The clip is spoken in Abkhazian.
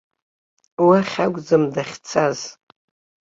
Уахь акәӡам дахьцаз.